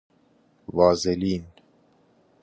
وازلین